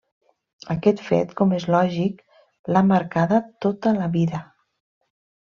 Aquest fet, com és lògic, l'ha marcada tota la vida.